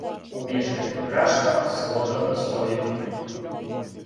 Умијешајте брашно с водом и соју.